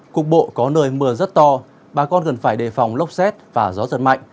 cục bộ có nơi mưa rất to bà con cần phải đề phòng lốc xét và gió giật mạnh